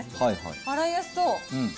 洗いやすそう。